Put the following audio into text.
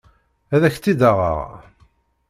Ad ak-tt-id-aɣeɣ.